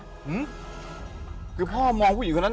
อืมคือพ่อมองผู้หญิงคนนั้น